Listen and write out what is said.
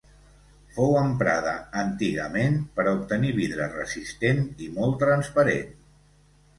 Fou emprada antigament per a obtenir vidre resistent i molt transparent.